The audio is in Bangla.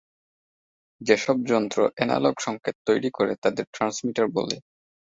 যেসব যন্ত্র অ্যানালগ সংকেত তৈরি করে তাদের ট্রান্সমিটার বলে।